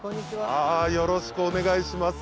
よろしくお願いします。